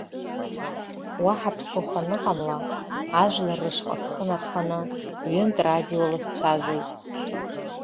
Уаҳа ԥсыхәа аныҟамла, ажәлар рышҟа схы нарханы ҩынтә радиола сцәажәеит.